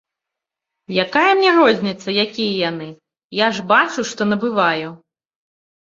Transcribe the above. Якая мне розніца, якія яны, я ж бачу, што набываю.